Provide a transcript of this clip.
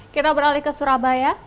kita beralih ke surabaya